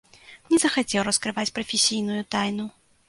Не захацеў раскрываць прафесійную тайну.